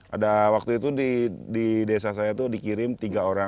ada waktu itu di desa saya itu dikirim tiga orang